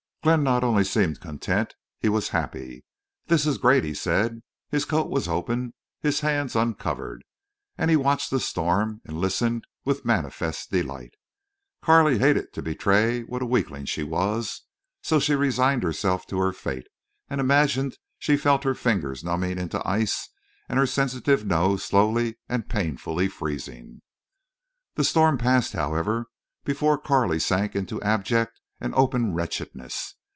Glenn not only seemed content; he was happy. "This is great," he said. His coat was open, his hands uncovered, and he watched the storm and listened with manifest delight. Carley hated to betray what a weakling she was, so she resigned herself to her fate, and imagined she felt her fingers numbing into ice, and her sensitive nose slowly and painfully freezing. The storm passed, however, before Carley sank into abject and open wretchedness.